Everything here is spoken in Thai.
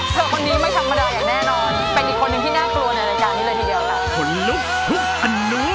เธอคนนี้ไม่ธรรมดาอย่างแน่นอนเป็นอีกคนนึงที่น่ากลัวเนี่ยนะจ๊ะนี่ละเดี๋ยวละ